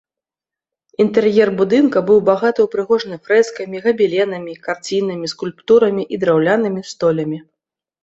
Інтэр'ер будынка быў багата ўпрыгожаны фрэскамі, габеленамі, карцінамі, скульптурамі і драўлянымі столямі.